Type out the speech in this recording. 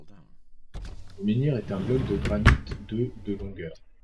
Le menhir est un bloc de granite de de longueur.